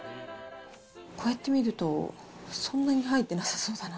こうやって見ると、そんなに入ってなさそうだな。